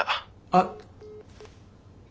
あっ。